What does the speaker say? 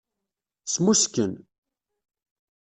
Smusken.